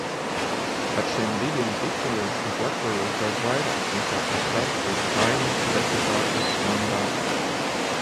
Ar šiem diviem tituliem es lepojos daudz vairāk nekā ar vergturu Saeimas deputāta mandātu.